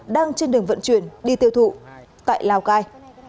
đang trên đường vận chuyển đi tiêu thụ tại lào cai